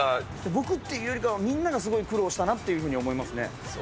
僕っていうよりかは、みんながすごい苦労したなというふうにそうか。